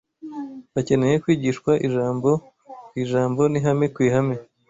Bakeneye kwigishwa ijambo ku ijambo, n’ihame ku ihame